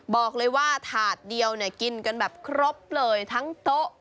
บอกเลยว่าถาดเดียวเนี่ยกินกันแบบครบเลยทั้งโต๊ะ